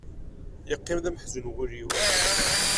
Yeqqim d ameḥzun wul-iw.